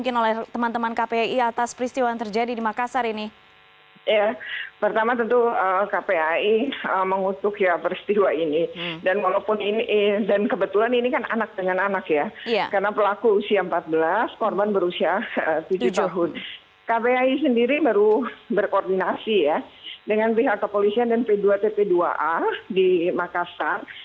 kbi sendiri baru berkoordinasi ya dengan pihak kepolisian dan p dua tp dua a di makassar